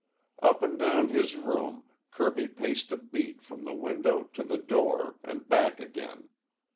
Up and down his room Kirby paced a beat from the window to the door and back again.